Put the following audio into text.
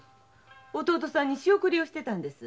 弟さんに仕送りをしてたんですよ。